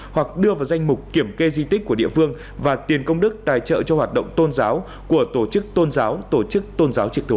hoặc đưa vào danh mục kiểm kê di tích của địa phương và tiền công đức tài trợ cho hoạt động tôn giáo của tổ chức tôn giáo tổ chức tôn giáo trực thuộc